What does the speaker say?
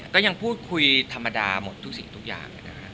ก็ยังพูดคุยธรรมดาหมดทุกสิ่งทุกอย่าง